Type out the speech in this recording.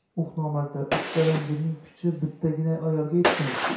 Uh nomardlar, uch davangirning kuchi bittagina ayolga yetdimi?